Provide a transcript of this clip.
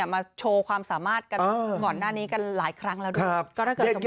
มาโชว์ความสามารถกันก่อนหน้านี้กันหลายครั้งแล้วด้วย